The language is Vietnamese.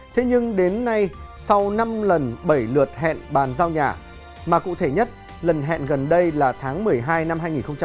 thế nhưng đến nay sau năm lần bảy lượt hẹn bàn giao nhà mà cụ thể nhất lần hẹn gần đây là tháng một mươi hai năm hai nghìn hai mươi